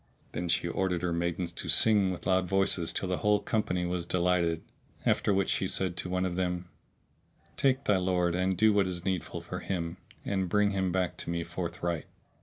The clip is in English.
Then she ordered her maidens to sing with loud voices till the whole company was delighted; after which she said to one of them, "Take thy lord, and do what is needful for him and bring him back to me forthright."